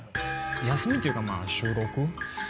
休みというかまぁ収録。